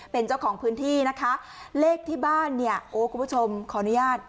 เป็นเจ้าของพื้นที่นะคะเลขที่บ้านเนี่ยโอ้คุณผู้ชมขออนุญาต